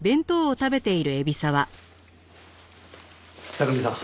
拓海さん